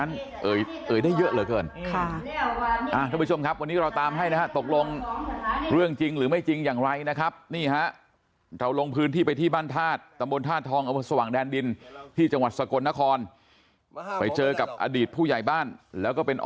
นู่นเรื่องนั้นเอาไปจนกับอดีตผู้ใหญ่บ้านแล้วก็เป็น